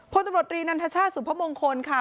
พตรรีนันทชาติสุพมงคลค่ะ